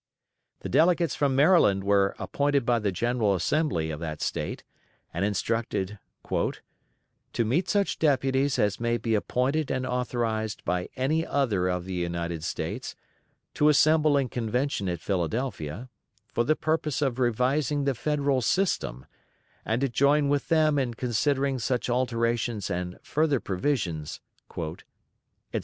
The delegates from Maryland were appointed by the General Assembly of that State, and instructed "to meet such deputies as may be appointed and authorized by any other of the United States, to assemble in convention at Philadelphia, for the purpose of revising the Federal system, and to join with them in considering such alterations and further provisions," etc.